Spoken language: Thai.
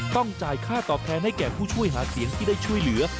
ต้องจ่ายค่าตอบแทนให้แก่ผู้ช่วยหาเสียงที่ได้ช่วยเหลือ